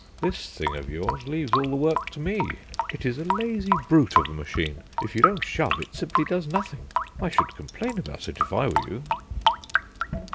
This thing of yours leaves all the work to me. It is a lazy brute of a machine; if you don't shove, it simply does nothing: I should complain about it, if I were you."